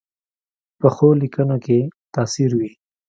پخو لیکنو کې تاثیر وي